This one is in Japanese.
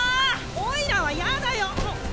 おいらはやだよ！